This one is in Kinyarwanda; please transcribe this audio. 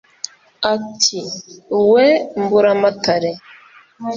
Ati :" We Mburamatare,